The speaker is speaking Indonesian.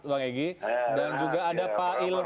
dan juga ada pak ilham